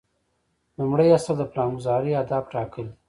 لومړی اصل د پلانګذارۍ اهداف ټاکل دي.